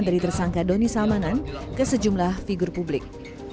dari tersangka doni salmanan ke sejumlah figur publik